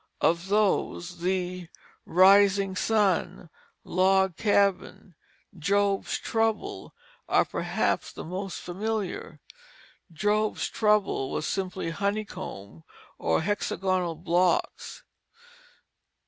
Of those the "Rising sun," "Log Cabin," and "Job's Trouble" are perhaps the most familiar. "Job's Trouble" was simply honeycomb or hexagonal blocks.